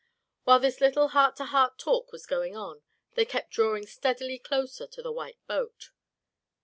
While this little heart to heart talk was going on, they kept drawing steadily closer to the white boat.